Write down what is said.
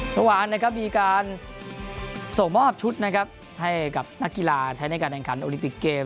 เมื่อวานนะครับมีการส่งมอบชุดนะครับให้กับนักกีฬาใช้ในการแข่งขันโอลิมปิกเกม